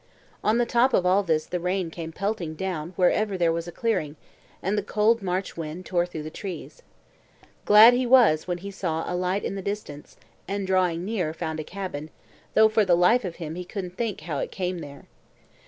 On the top of all this the rain came pelting down wherever there was a clearing, and the cold March wind tore through the trees. Glad he was then when he saw a light in the distance, and drawing near found a cabin, though for the life of him he couldn't think how it came there.